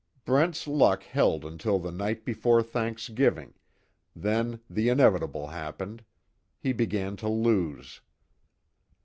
Brent's luck held until the night before Thanksgiving, then the inevitable happened he began to lose.